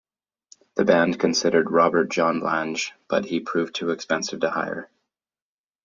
The band considered Robert John Lange, but he proved too expensive to hire.